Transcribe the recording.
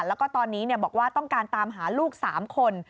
แล้วก็ตอนนี้บอกว่าต้องการตามหาลูก๓คน